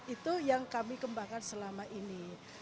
itu yang kami kembangkan selama ini